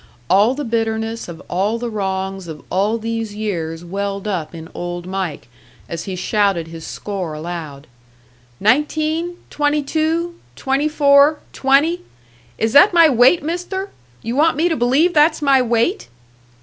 All the bitterness of all the wrongs of all these years welled up in Old Mike, as he shouted his score aloud: "Nineteen, twenty two, twenty four, twenty! Is that my weight, Mister? You want me to believe that's my weight?"